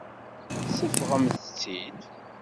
Seffɣemt-tt-id.